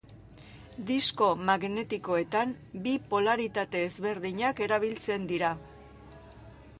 Disko magnetikoetan, bi polaritate ezberdinak erabiltzen dira.